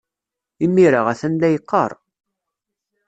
Imir-a, a-t-an la yeqqar.